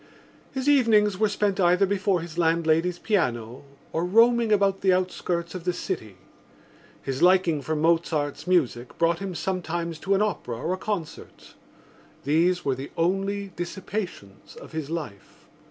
His evenings were spent either before his landlady's piano or roaming about the outskirts of the city. His liking for Mozart's music brought him sometimes to an opera or a concert: these were the only dissipations of his life.